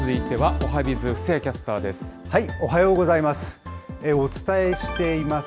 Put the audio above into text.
おはようございます。